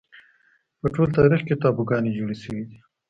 په ټول تاریخ کې تابوگانې جوړې شوې دي